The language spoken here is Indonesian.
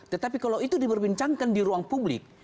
tetapi kalau itu diberbincangkan di ruang publik